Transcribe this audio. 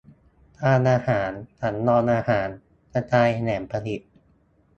ทางอาหาร : สำรองอาหาร กระจายแหล่งผลิต